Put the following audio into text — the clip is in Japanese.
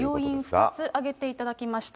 要因、２つ挙げていただきました。